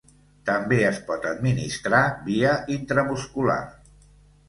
També es pot administrar via intramuscular.